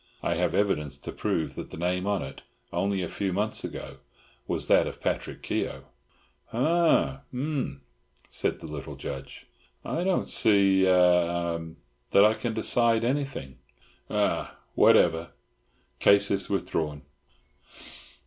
I have evidence to prove that the name on it, only a few months ago, was that of Patrick Keogh." "Ha, hum!" said the little Judge. "I don't see—eh—um—that I can decide anything—ah—whatever. Case is withdrawn.